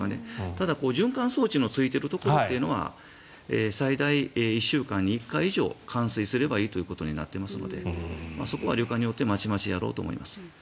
ただ、循環装置のついているところというのは最大１週間に１回以上換水すればいいということになっていますのでそこは旅館によってまちまちだろうと思います。